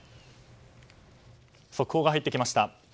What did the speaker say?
速報が入ってきました。